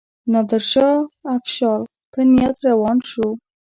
نادرشاه افشار په نیت روان شو.